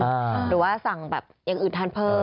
หรือว่าสั่งแบบอย่างอื่นทานเพิ่ม